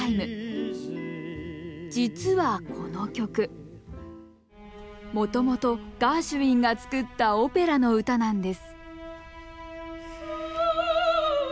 実はこの曲もともとガーシュウィンが作ったオペラの歌なんです